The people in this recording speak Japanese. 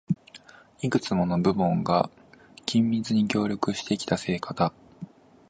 いくつもの部門が緊密に協力してきた成果だ